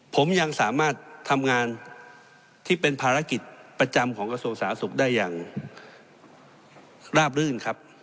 ผมยังสามารถทำงานที่เป็นภารกิจประจำของกระทรวงสาธารณสุขได้อย่างราบรื่นครับ